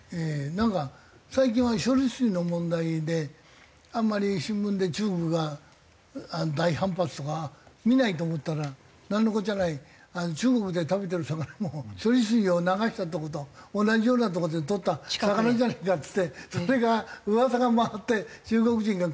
なんか最近は処理水の問題であんまり新聞で中国が大反発とか見ないと思ったらなんのこっちゃない中国で食べてる魚も処理水を流したとこと同じようなとこでとった魚じゃねえかっつってそれが噂が回って中国人が食わなくなったって。